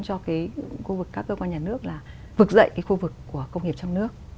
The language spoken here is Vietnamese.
cho các cơ quan nhà nước là vực dậy khu vực của công nghiệp trong nước